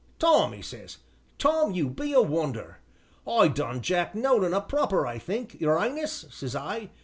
'Tom,' 'e says, 'Tom, you be a wonder.' 'I done Jack Nolan up proper I think, your 'Ighness,' says I.